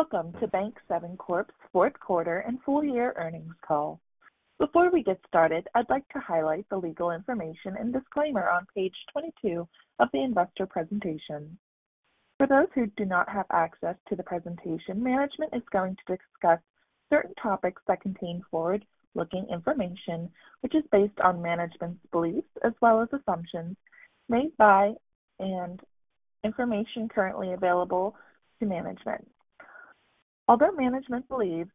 Welcome to Bank7 Corp.'s Fourth Quarter and Full Year Earnings Call. Before we get started, I'd like to highlight the legal information and disclaimer on page 22 of the Investor Presentation. For those who do not have access to the presentation, management is going to discuss certain topics that contain forward-looking information, which is based on management's beliefs as well as assumptions made by and information currently available to management. Although management believes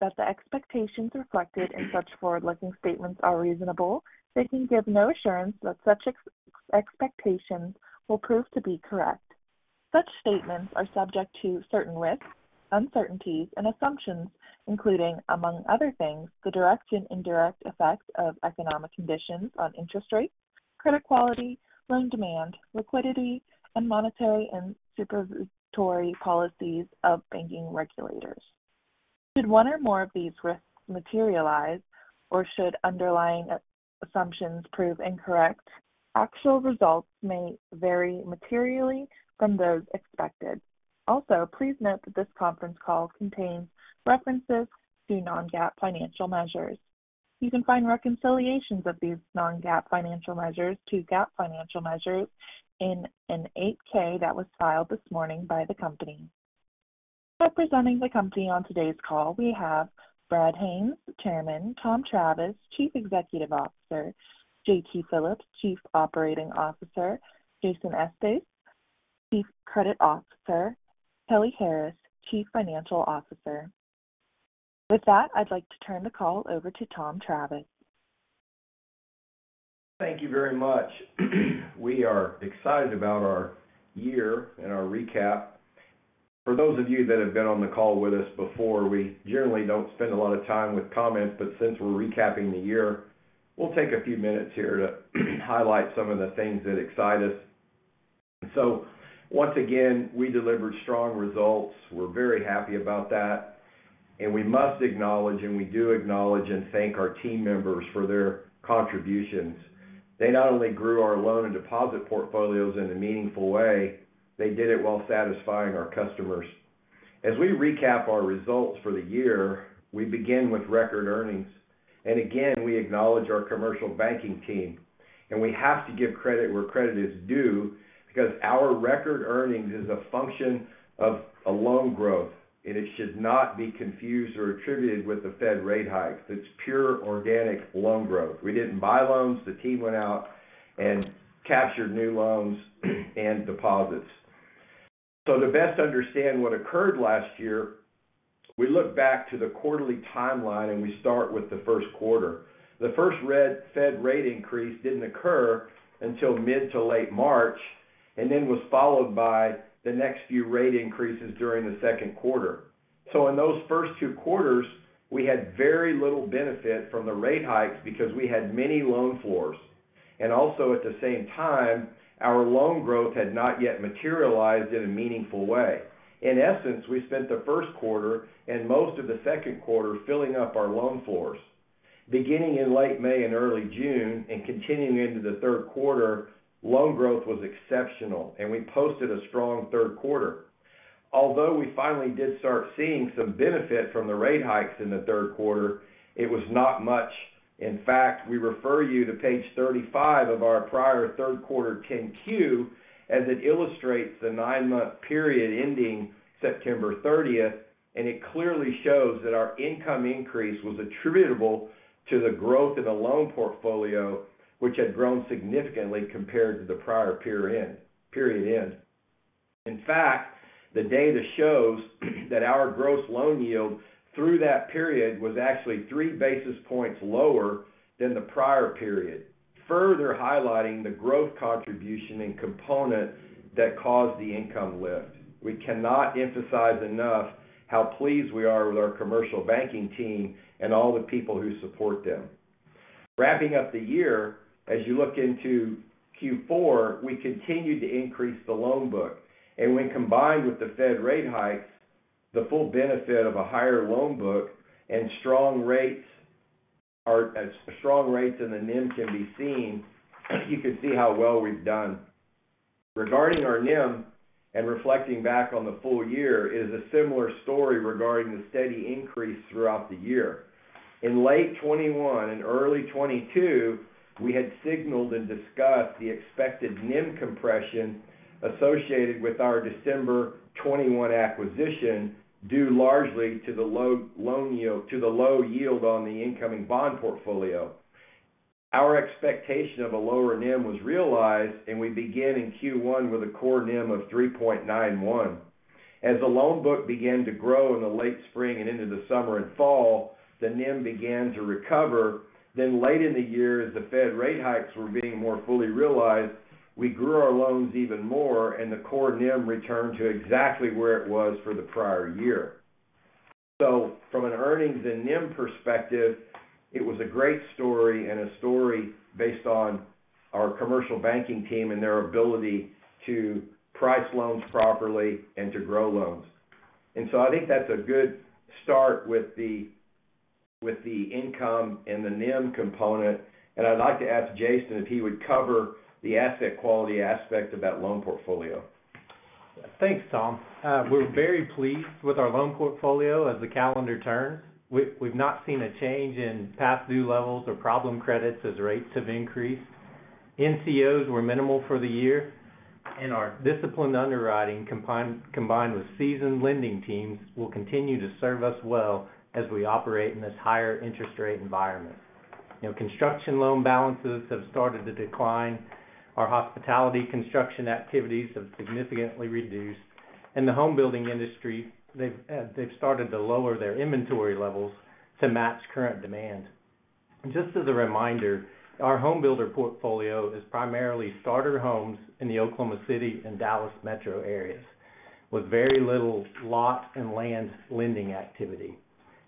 that the expectations reflected in such forward-looking statements are reasonable, they can give no assurance that such expectations will prove to be correct, Such statements are subject to certain risks, uncertainties, and assumptions, including, among other things, the direct and indirect effects of economic conditions on interest rates, credit quality, loan demand, liquidity, and monetary and supervisory policies of banking regulators. Should one or more of these risks materialize, or should underlying assumptions prove incorrect, actual results may vary materially from those expected. Also, please note that this conference call contains references to non-GAAP financial measures. You can find reconciliations of these non-GAAP financial measures to GAAP financial measures in a Form 8-K that was filed this morning by the company. Representing the company on today's call, we have Brad Haines, Chairman, Tom Travis, Chief Executive Officer, J.T. Phillip,, Chief Operating Officer, Jason Estes, Chief Credit Officer, Kelly Harris, Chief Financial Officer. With that, I'd like to turn the call over to Tom Travis. Thank you very much. We are excited about our year and our recap. For those of you that have been on the call with us before, we generally don't spend a lot of time with comments, but since we're recapping the year, we'll take a few minutes here to highlight some of the things that excite us. Once again, we delivered strong results. We're very happy about that. We must acknowledge, and we do acknowledge and thank our team members for their contributions. They not only grew our loan and deposit portfolios in a meaningful way, they did it while satisfying our customers. As we recap our results for the year, we begin with record earnings. Again, we acknowledge our commercial banking team, and we have to give credit where credit is due because our record earnings is a function of a loan growth, and it should not be confused or attributed with the Fed rate hikes. It's pure organic loan growth. We didn't buy loans. The team went out and captured new loans and deposits. To best understand what occurred last year, we look back to the quarterly timeline, and we start with the first quarter. The first Fed rate increase didn't occur until mid to late March, and then was followed by the next few rate increases during the second quarter. In those first two quarters, we had very little benefit from the rate hikes because we had many loan floors. Also at the same time, our loan growth had not yet materialized in a meaningful way. In essence, we spent the first quarter and most of the second quarter filling up our loan floors. Beginning in late May and early June and continuing into the third quarter, loan growth was exceptional, and we posted a strong third quarter. Although we finally did start seeing some benefit from the rate hikes in the third quarter, it was not much. In fact, we refer you to page 35 of our prior third quarter Form 10-Q, as it illustrates the nine-month period ending September thirtieth, and it clearly shows that our income increase was attributable to the growth of the loan portfolio, which had grown significantly compared to the prior period end. In fact, the data shows that our gross loan yield through that period was actually three basis points lower than the prior period, further highlighting the growth contribution and component that caused the income lift. We cannot emphasize enough how pleased we are with our commercial banking team and all the people who support them. Wrapping up the year, as you look into Q4, we continued to increase the loan book. When combined with the Fed rate hikes, the full benefit of a higher loan book and strong rates in the NIM can be seen, you can see how well we've done. Regarding our NIM and reflecting back on the full year is a similar story regarding the steady increase throughout the year. In late 2021 and early 2022, we had signaled and discussed the expected NIM compression associated with our December 2021 acquisition, due largely to the low yield on the incoming bond portfolio. Our expectation of a lower NIM was realized. We began in Q1 with a core NIM of 3.91. As the loan book began to grow in the late spring and into the summer and fall, the NIM began to recover. Late in the year, as The Fed rate hikes were being more fully realized, we grew our loans even more, and the core NIM returned to exactly where it was for the prior year. From an earnings and NIM perspective, it was a great story and a story based on our commercial banking team and their ability to price loans properly and to grow loans. I think that's a good start with the income and the NIM component. I'd like to ask Jason if he would cover the asset quality aspect of that loan portfolio. Thanks, Tom. We're very pleased with our loan portfolio as the calendar turns. We've not seen a change in past due levels or problem credits as rates have increased. NCOs were minimal for the year, and our disciplined underwriting combined with seasoned lending teams will continue to serve us well as we operate in this higher interest rate environment. You know, construction loan balances have started to decline. Our hospitality construction activities have significantly reduced. In the home building industry, they've started to lower their inventory levels to match current demand. Just as a reminder, our home builder portfolio is primarily starter homes in the Oklahoma City and Dallas metro areas, with very little lot and land lending activity.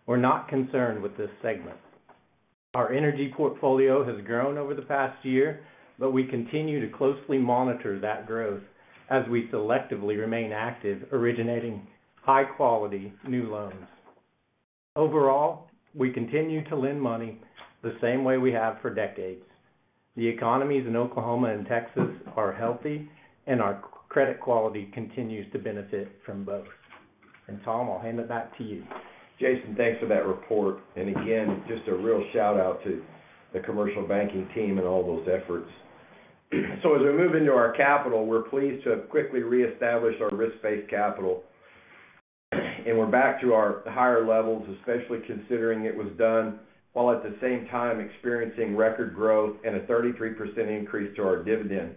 We're not concerned with this segment. Our energy portfolio has grown over the past year, we continue to closely monitor that growth as we selectively remain active, originating high quality new loans. Overall, we continue to lend money the same way we have for decades. The economies in Oklahoma and Texas are healthy, and our credit quality continues to benefit from both. Tom, I'll hand it back to you. Jason, thanks for that report. Again, just a real shout-out to the commercial banking team and all those efforts. As we move into our capital, we're pleased to have quickly reestablished our risk-based capital, and we're back to our higher levels, especially considering it was done, while at the same time experiencing record growth and a 33% increase to our dividend.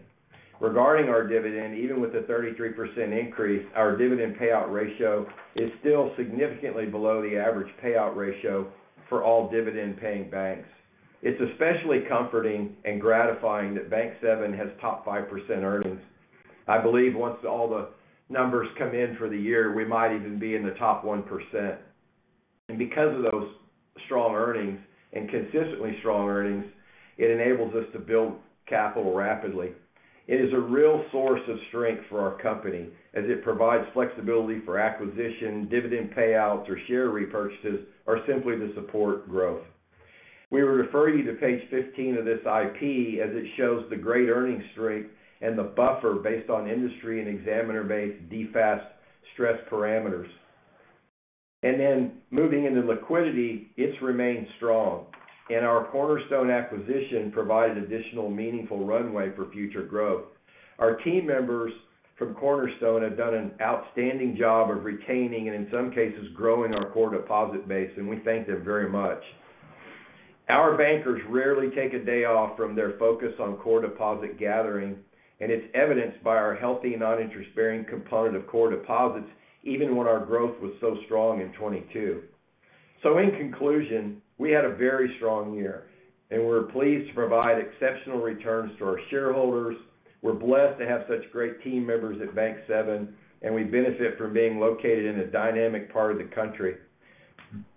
Regarding our dividend, even with the 33% increase, our dividend payout ratio is still significantly below the average payout ratio for all dividend-paying banks. It's especially comforting and gratifying that Bank7 has top 5% earnings. I believe once all the numbers come in for the year, we might even be in the top 1%. Because of those strong earnings and consistently strong earnings, it enables us to build capital rapidly. It is a real source of strength for our company as it provides flexibility for acquisition, dividend payouts or share repurchases, or simply to support growth. We refer you to page 15 of this IP as it shows the great earnings strength and the buffer based on industry and examiner-based DFAST stress parameters. Moving into liquidity, it's remained strong. Our Cornerstone acquisition provided additional meaningful runway for future growth. Our team members from Cornerstone have done an outstanding job of retaining and in some cases, growing our core deposit base, and we thank them very much. Our bankers rarely take a day off from their focus on core deposit gathering, and it's evidenced by our healthy non-interest bearing component of core deposits, even when our growth was so strong in 2022. In conclusion, we had a very strong year, and we're pleased to provide exceptional returns to our shareholders. We're blessed to have such great team members at Bank7, and we benefit from being located in a dynamic part of the country.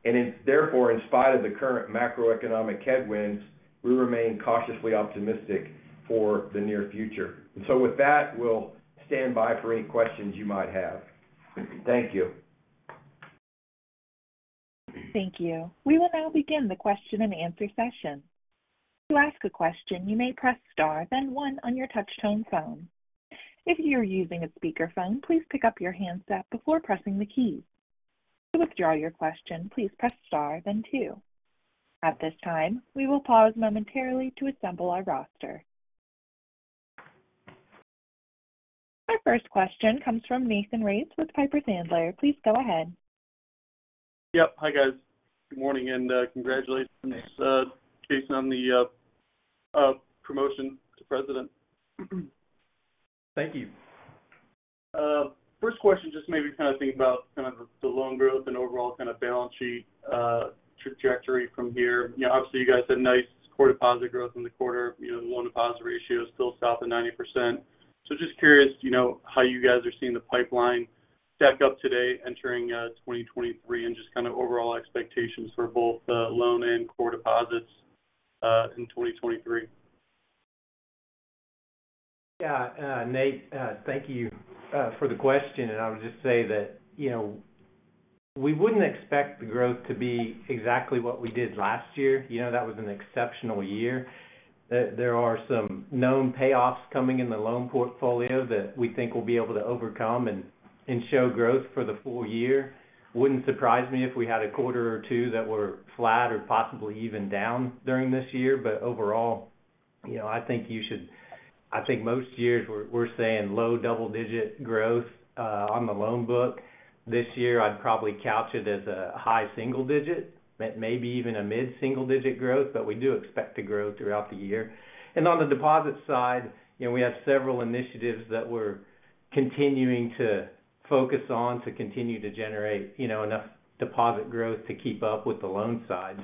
It's therefore, in spite of the current macroeconomic headwinds, we remain cautiously optimistic for the near future. With that, we'll stand by for any questions you might have. Thank you. Thank you. We will now begin the question-and-answer session. To ask a question, you may press star, then one on your touch tone phone. If you are using a speaker phone, please pick up your handset before pressing the keys. To withdraw your question, please press star then two. At this time, we will pause momentarily to assemble our roster. Our first question comes from Nathan Race with Piper Sandler. Please go ahead. Yep. Hi, guys. Good morning. Congratulations, Jason, on the promotion to President. Thank you. First question, just maybe kind of think about kind of the loan growth and overall kind of balance sheet trajectory from here. You know, obviously, you guys had nice core deposit growth in the quarter. You know, the loan deposit ratio is still south of 90%. Just curious, you know, how you guys are seeing the pipeline stack up today entering 2023 and just kind of overall expectations for both loan and core deposits in 2023. Yeah. Nate, thank you for the question. I would just say that, you know, we wouldn't expect the growth to be exactly what we did last year. You know, that was an exceptional year. There are some known payoffs coming in the loan portfolio that we think we'll be able to overcome and show growth for the full year. Wouldn't surprise me if we had a quarter or two that were flat or possibly even down during this year. Overall, you know, I think most years we're saying low double-digit growth on the loan book. This year, I'd probably couch it as a high single digit, maybe even a mid-single digit growth, but we do expect to grow throughout the year. On the deposit side, you know, we have several initiatives that we're continuing to focus on to continue to generate, you know, enough deposit growth to keep up with the loan side.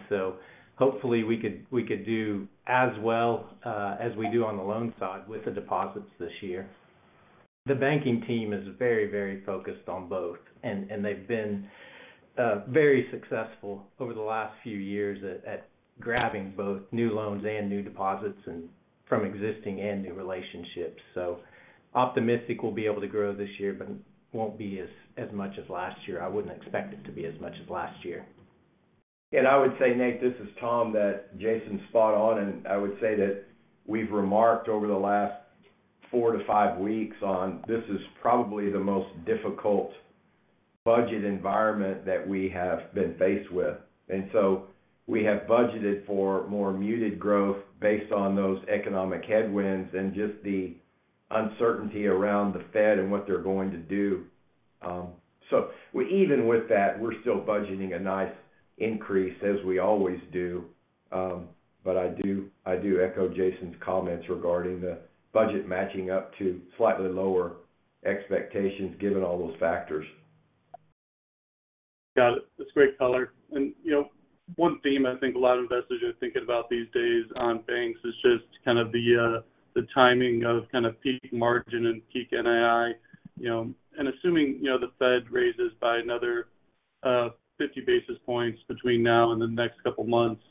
Hopefully we could do as well as we do on the loan side with the deposits this year. The banking team is very focused on both, and they've been very successful over the last few years at grabbing both new loans and new deposits and from existing and new relationships. Optimistic we'll be able to grow this year, but won't be as much as last year. I wouldn't expect it to be as much as last year. I would say, Nate, this is Tom, that Jason's spot on, and I would say that we've remarked over the last four to five weeks on this is probably the most difficult budget environment that we have been faced with. We have budgeted for more muted growth based on those economic headwinds and just the uncertainty around the Fed and what they're going to do. Even with that, we're still budgeting a nice increase, as we always do. I do echo Jason's comments regarding the budget matching up to slightly lower expectations given all those factors. Got it. That's great color. You know, one theme I think a lot of investors are thinking about these days on banks is just kind of the timing of kind of peak margin and peak NII, you know. Assuming, you know, the Fed raises by another 50 basis points between now and the next couple of months,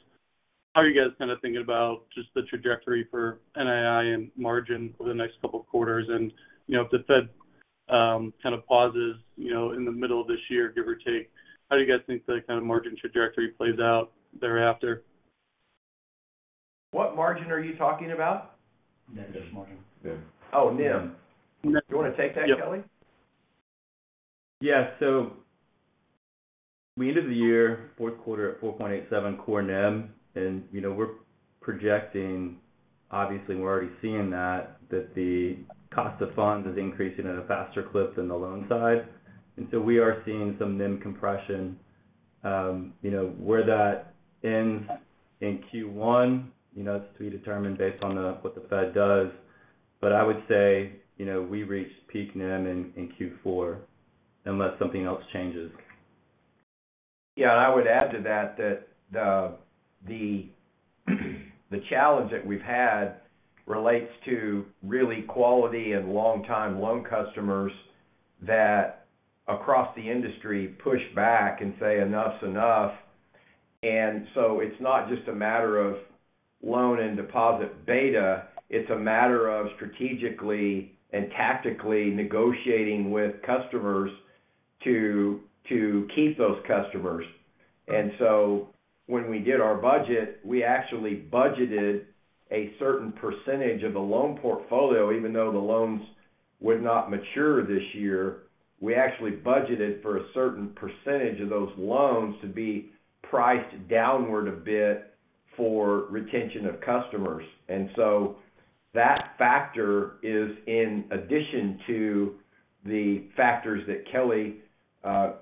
how are you guys kind of thinking about just the trajectory for NII and margin over the next couple of quarters? You know, if the Fed kind of pauses, you know, in the middle of this year, give or take, how do you guys think the kind of margin trajectory plays out thereafter? What margin are you talking about? Net margin. Oh, NIM. You want to take that, Kelly? Yeah. We ended the year fourth quarter at 4.87% core NIM, and, you know, we're projecting, obviously, we're already seeing that the cost of funds is increasing at a faster clip than the loan side. We are seeing some NIM compression. You know, where that ends in Q1, you know, it's to be determined based on what The Fed does. I would say, you know, we reached peak NIM in Q4, unless something else changes. Yeah. I would add to that the challenge that we've had relates to really quality and long-time loan customers that across the industry push back and say, "Enough's enough." It's not just a matter of loan and deposit beta, it's a matter of strategically and tactically negotiating with customers to keep those customers. When we did our budget, we actually budgeted a certain percentage of the loan portfolio, even though the loans would not mature this year. We actually budgeted for a certain percentage of those loans to be priced downward a bit for retention of customers. That factor is in addition to the factors that Kelly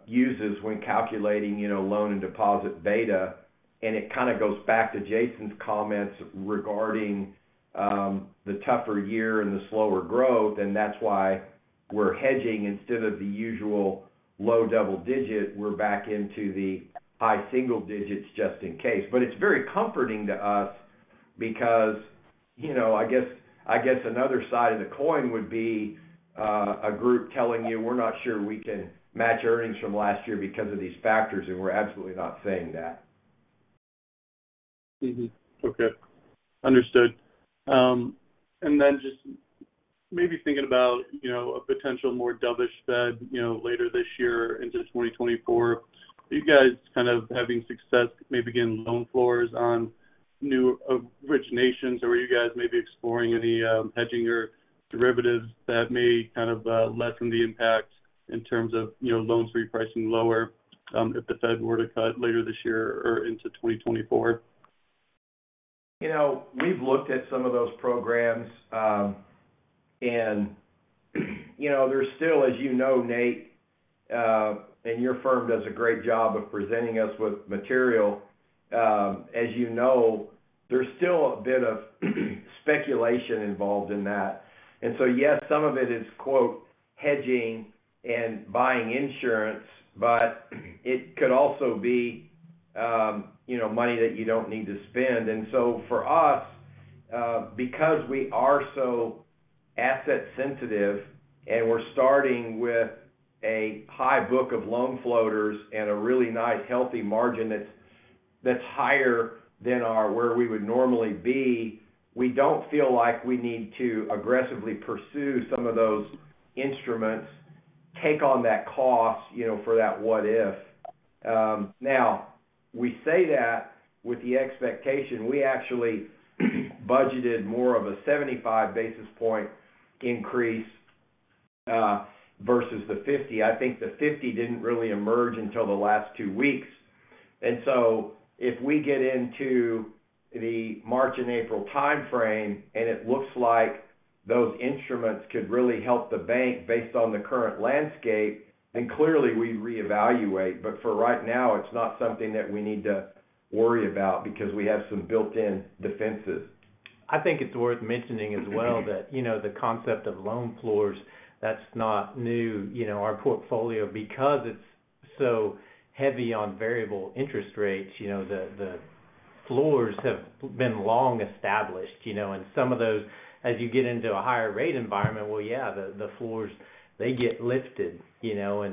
uses when calculating, you know, loan and deposit beta. It kind of goes back to Jason's comments regarding the tougher year and the slower growth, and that's why we're hedging. Instead of the usual low double-digit, we're back into the high single-digits just in case. It's very comforting to us because, you know, I guess another side of the coin would be, a group telling you, we're not sure we can match earnings from last year because of these factors. We're absolutely not saying that. Okay. Understood. Just maybe thinking about, you know, a potential more dovish Fed, you know, later this year into 2024, are you guys kind of having success maybe getting loan floors on new originations? Are you guys maybe exploring any hedging or derivatives that may kind of lessen the impact in terms of, you know, loans repricing lower, if the Fed were to cut later this year or into 2024? You know, we've looked at some of those programs. You know, there's still, as you know, Nate, and your firm does a great job of presenting us with material. As you know, there's still a bit of speculation involved in that. Yes, some of it is, quote, hedging and buying insurance, but it could also be, you know, money that you don't need to spend. For us, because we are so asset sensitive, and we're starting with a high book of loan floaters and a really nice healthy margin that's higher than where we would normally be, we don't feel like we need to aggressively pursue some of those instruments, take on that cost, you know, for that what if. Now, we say that with the expectation, we actually budgeted more of a 75 basis point increase versus the 50. I think the 50 didn't really emerge until the last two weeks. If we get into the March and April timeframe, and it looks like those instruments could really help the bank based on the current landscape, then clearly we reevaluate. For right now, it's not something that we need to worry about because we have some built-in defenses. I think it's worth mentioning as well that, you know, the concept of loan floors, that's not new. You know, our portfolio, because it's so heavy on variable interest rates, you know, the floors have been long established, you know. Some of those, as you get into a higher rate environment, well, yeah, the floors, they get lifted, you know.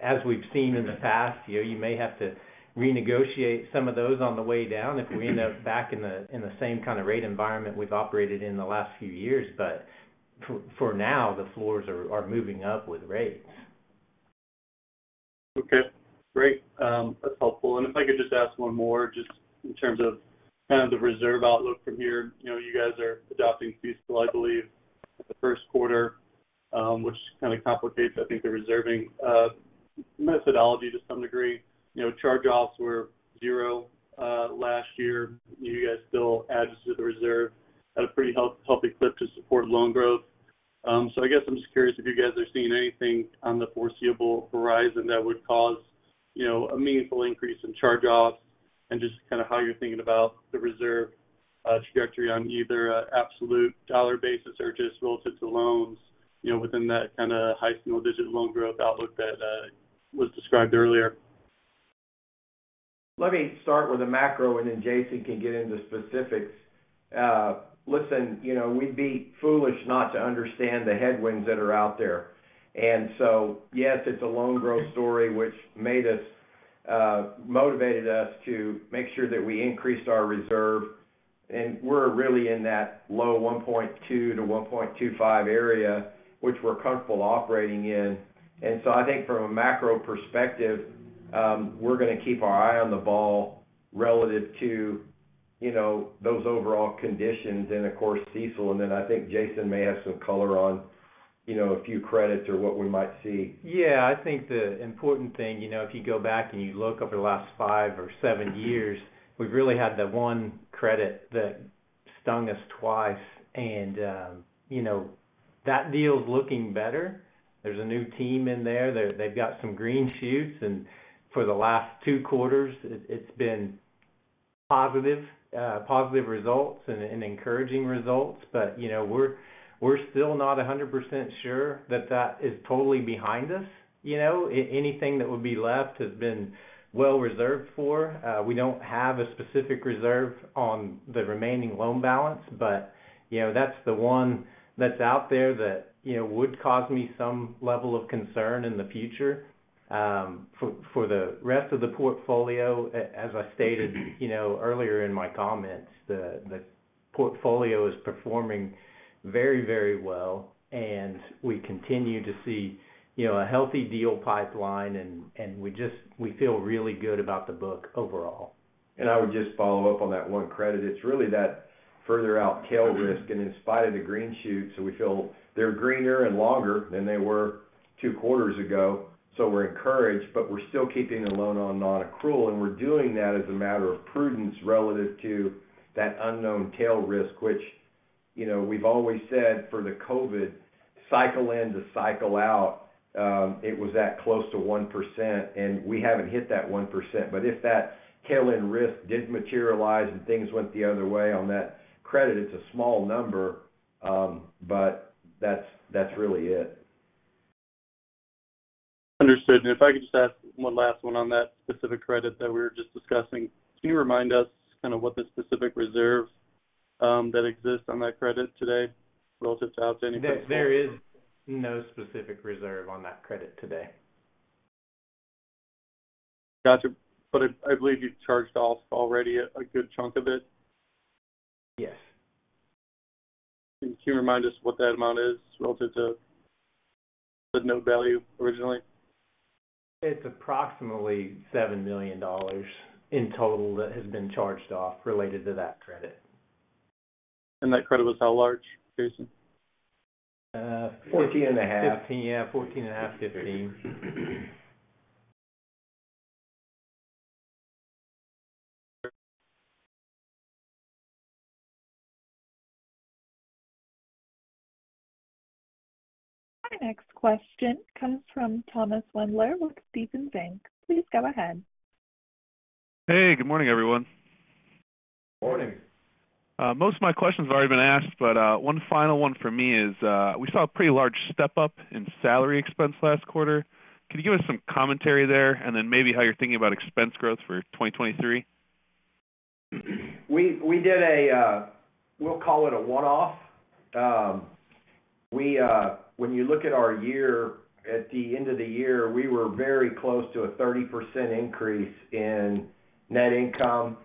As we've seen in the past, you know, you may have to renegotiate some of those on the way down if we end up back in the same kind of rate environment we've operated in the last few years. For now, the floors are moving up with rates. Okay, great. That's helpful. If I could just ask one more just in terms of kind of the reserve outlook from here. You know, you guys are adopting CECL, I believe, in the first quarter, which kind of complicates, I think, the reserving methodology to some degree. You know, charge-offs were 0 last year. You guys still added to the reserve at a pretty healthy clip to support loan growth. I guess I'm just curious if you guys are seeing anything on the foreseeable horizon that would cause, you know, a meaningful increase in charge-offs and just kind of how you're thinking about the reserve trajectory on either a absolute dollar basis or just relative to loans, you know, within that kind of high single-digit loan growth outlook that was described earlier. Let me start with the macro. Then Jason can get into specifics. Listen, you know, we'd be foolish not to understand the headwinds that are out there. Yes, it's a loan growth story which motivated us to make sure that we increased our reserve. We're really in that low 1.2%-1.25% area, which we're comfortable operating in. I think from a macro perspective, we're gonna keep our eye on the ball relative to, you know, those overall conditions and of course, CECL. Then I think Jason may have some color on, you know, a few credits or what we might see. Yeah. I think the important thing, you know, if you go back and you look over the last five or seven years, we've really had the one credit that stung us twice and, you know, that deal's looking better. There's a new team in there. They've got some green shoots, and for the last two quarters, it's been positive results and encouraging results. You know, we're still not 100% sure that that is totally behind us. You know? Anything that would be left has been well reserved for. We don't have a specific reserve on the remaining loan balance, but, you know, that's the one that's out there that, you know, would cause me some level of concern in the future. For the rest of the portfolio, as I stated, you know, earlier in my comments, the portfolio is performing very, very well, and we continue to see, you know, a healthy deal pipeline and we feel really good about the book overall. I would just follow up on that one credit. It's really that further out tail risk and in spite of the green shoots, so we feel they're greener and longer than they were two quarters ago. We're encouraged, but we're still keeping the loan on non-accrual, and we're doing that as a matter of prudence relative to that unknown tail risk, which, you know, we've always said for the COVID cycle in to cycle out, it was at close to 1%, and we haven't hit that 1%. If that tail-end risk did materialize and things went the other way on that credit, it's a small number, but that's really it. Understood. If I could just ask one last one on that specific credit that we were just discussing. Can you remind us kind of what the specific reserve that exists on that credit today relative to? There is no specific reserve on that credit today. Gotcha. I believe you charged off already a good chunk of it? Yes. Can you remind us what that amount is relative to the note value originally? It's approximately $7 million in total that has been charged off related to that credit. That credit was how large, Jason? 14.5. 15, yeah, 14.5, 15. Sure. Our next question comes from Thomas Wendler with Stephens Inc. Please go ahead. Hey, good morning, everyone. Morning. Most of my questions have already been asked, but one final one for me is, we saw a pretty large step-up in salary expense last quarter. Can you give us some commentary there and then maybe how you're thinking about expense growth for 2023? We did a, we'll call it a one-off. When you look at our year, at the end of the year, we were very close to a 30% increase in net income,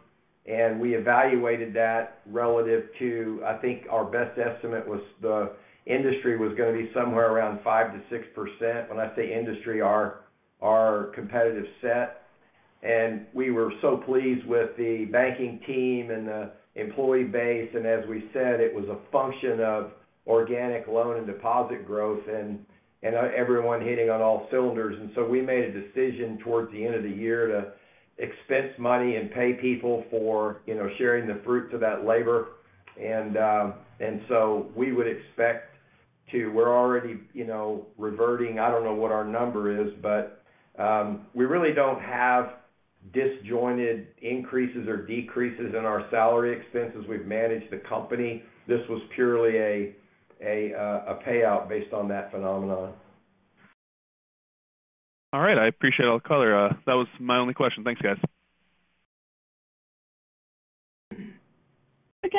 and we evaluated that relative to, I think, our best estimate was the industry was gonna be somewhere around 5%-6%. When I say industry, our competitive set. We were so pleased with the banking team and the employee base. As we said, it was a function of organic loan and deposit growth and everyone hitting on all cylinders. So we made a decision towards the end of the year to expense money and pay people for, you know, sharing the fruits of that labor. So we're already, you know, reverting. I don't know what our number is, but we really don't have disjointed increases or decreases in our salary expense as we've managed the company. This was purely a payout based on that phenomenon. All right. I appreciate all the color. That was my only question. Thanks, guys.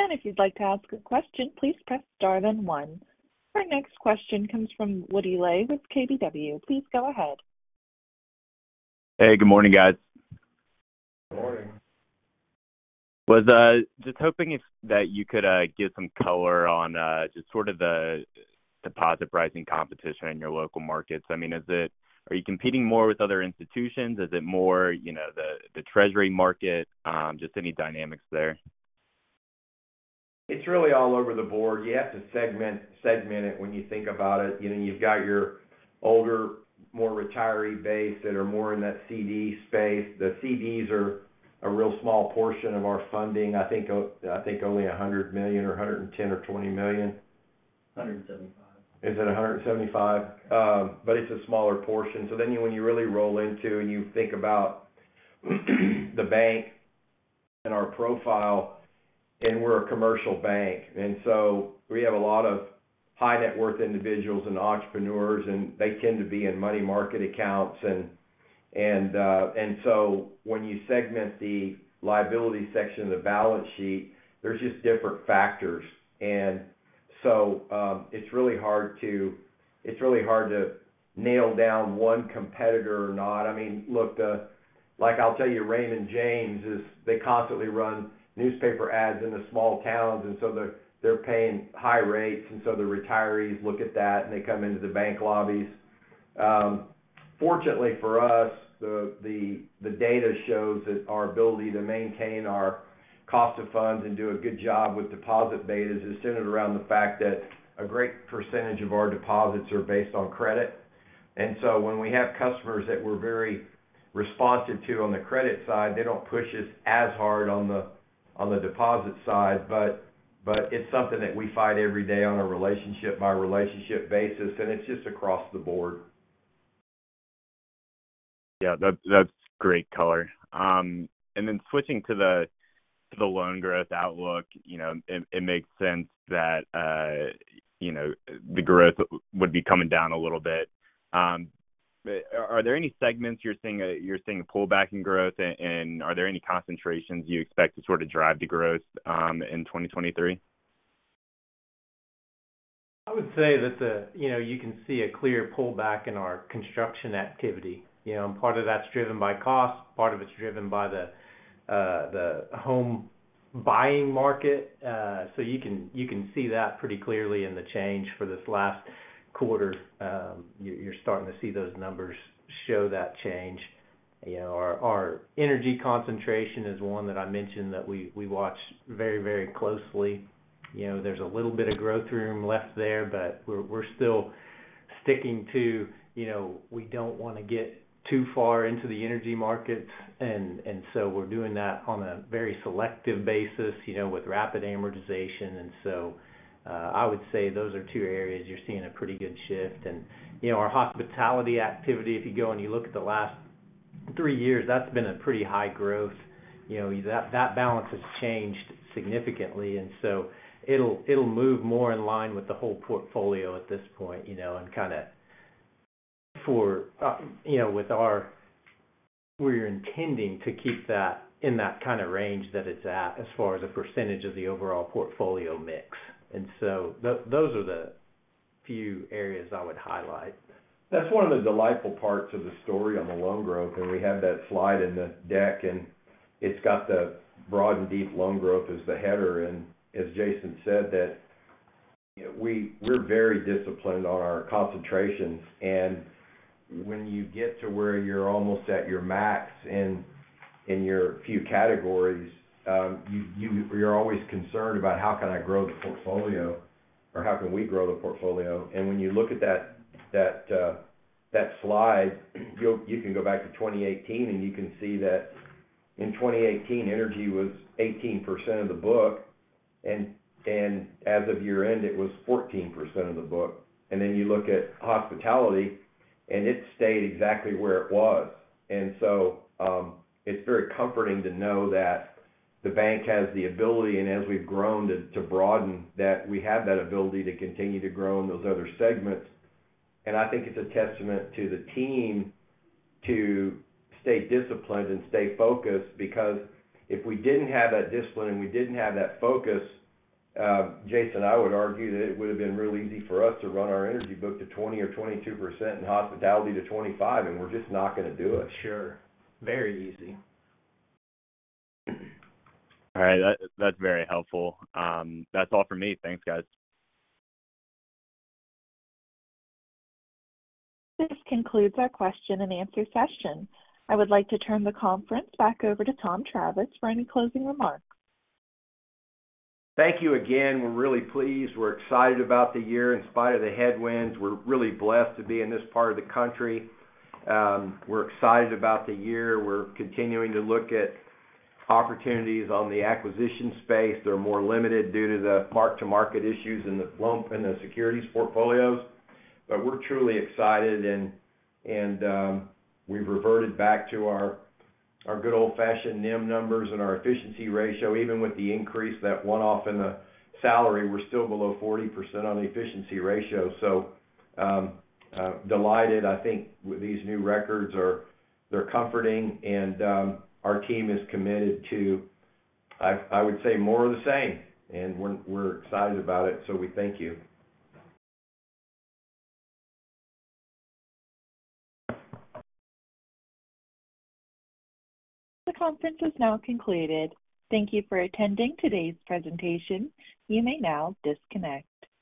If you'd like to ask a question, please press star then one. Our next question comes from Woody Lay with KBW. Please go ahead. Hey, good morning, guys. Good morning. Was just hoping that you could give some color on just sort of the deposit pricing competition in your local markets. I mean, are you competing more with other institutions? Is it more, you know, the Treasury market? Just any dynamics there. It's really all over the board. You have to segment it when you think about it. You know, you've got your older, more retiree base that are more in that CD space. The CDs are a real small portion of our funding. I think only $100 million or $110 million-$120 million. $175. Is it 175? It's a smaller portion. When you really roll into and you think about Bank7 and our profile, we're a commercial bank, we have a lot of high-net worth individuals and entrepreneurs, they tend to be in money market accounts. When you segment the liability section of the balance sheet, there's just different factors. It's really hard to nail down one competitor or not. I mean, look, like I'll tell you, Raymond James, they constantly run newspaper ads in the small towns, they're paying high rates, the retirees look at that, they come into the bank lobbies. Fortunately for us, the data shows that our ability to maintain our cost of funds and do a good job with deposit betas is centered around the fact that a great percentage of our deposits are based on credit. When we have customers that we're very responsive to on the credit side, they don't push us as hard on the deposit side. It's something that we fight every day on a relationship-by-relationship basis, and it's just across the board. Yeah, that's great color. Switching to the, to the loan growth outlook, you know, it makes sense that, you know, the growth would be coming down a little bit. Are there any segments you're seeing, you're seeing a pullback in growth? Are there any concentrations you expect to sort of drive the growth in 2023? I would say that. You know, you can see a clear pullback in our construction activity. You know, part of that's driven by cost, part of it's driven by the home buying market. You can see that pretty clearly in the change for this last quarter. You're starting to see those numbers show that change. You know, our energy concentration is one that I mentioned that we watch very, very closely. You know, there's a little bit of growth room left there, but we're still sticking to. You know, we don't wanna get too far into the energy markets, we're doing that on a very selective basis, you know, with rapid amortization. I would say those are two areas you're seeing a pretty good shift. You know, our hospitality activity, if you go and you look at the last three years, that's been a pretty high growth. You know, that balance has changed significantly and so it'll move more in line with the whole portfolio at this point, you know, and kinda for, you know, with our we're intending to keep that in that kinda range that it's at as far as a percentage of the overall portfolio mix. Those are the few areas I would highlight. That's one of the delightful parts of the story on the loan growth. We have that slide in the deck, and it's got the broad and deep loan growth as the header. As Jason said, we're very disciplined on our concentrations. When you get to where you're almost at your max in your few categories, you're always concerned about how can I grow the portfolio or how can we grow the portfolio. When you look at that slide, you can go back to 2018 and you can see that in 2018, energy was 18% of the book and as of year-end, it was 14% of the book. You look at hospitality, and it stayed exactly where it was. It's very comforting to know that the bank has the ability and as we've grown to broaden, that we have that ability to continue to grow in those other segments. I think it's a testament to the team to stay disciplined and stay focused because if we didn't have that discipline and we didn't have that focus, Jason and I would argue that it would have been real easy for us to run our energy book to 20% or 22% and hospitality to 25, and we're just not gonna do it. Sure. Very easy. All right. That's very helpful. That's all for me. Thanks, guys. This concludes our question and answer session. I would like to turn the conference back over to Tom Travis for any closing remarks. Thank you again. We're really pleased. We're excited about the year in spite of the headwinds. We're really blessed to be in this part of the country. We're excited about the year. We're continuing to look at opportunities on the acquisition space. They're more limited due to the mark-to-market issues in the securities portfolios. We're truly excited and we've reverted back to our good old-fashioned NIM numbers and our efficiency ratio. Even with the increase, that one-off in the salary, we're still below 40% on the efficiency ratio. Delighted. I think these new records they're comforting and our team is committed to I would say, more of the same. We're excited about it, so we thank you. The conference is now concluded. Thank you for attending today's presentation. You may now disconnect.